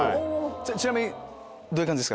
ちなみにどういう感じですか？